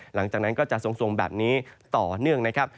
หลังจากนั้นก็จะทรงแบบนี้ต่อเนื่องนะครับ